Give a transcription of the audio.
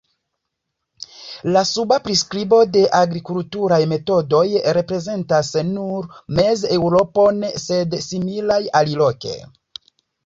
La suba priskribo de agrikulturaj metodoj reprezentas nur Mez-Eŭropon, sed similaj aliloke.